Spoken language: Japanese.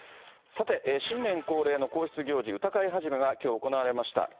さて、新年恒例の皇室行事、歌会始がきょう行われました。